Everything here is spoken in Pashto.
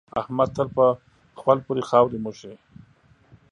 احمد تل په خول پورې خاورې موښي.